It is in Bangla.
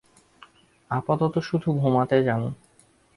আপাতত, শুধু ঘুমাতে যান।